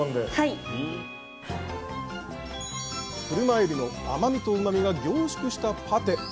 クルマエビの甘みとうまみが凝縮したパテ。